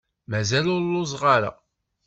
Mazal ur lluẓeɣ ara.